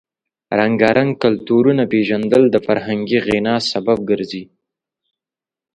د رنګارنګ کلتورونو پیژندل د فرهنګي غنا سبب ګرځي.